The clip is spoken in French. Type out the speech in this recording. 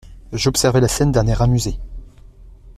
J’observais la scène d’un air amusé.